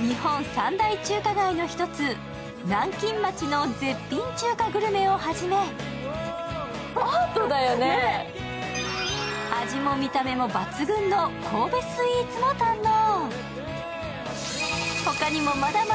日本三大中華街の１つ南京町の絶品中華グルメをはじめ味も見た目も抜群の神戸スイーツも堪能。